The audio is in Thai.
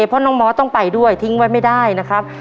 เพราะน้องมอสต้องไปด้วยทิ้งไว้ไม่ได้นะครับ